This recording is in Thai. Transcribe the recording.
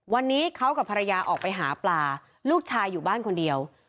วันนี้เขากับภรรยาออกไปหาปลาลูกชายอยู่บ้านคนเดียว